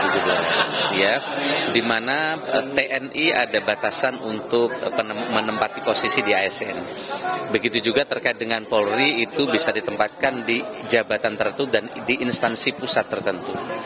jabatan tertutup dan di instansi pusat tertentu